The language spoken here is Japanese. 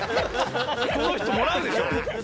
この人もらうでしょ。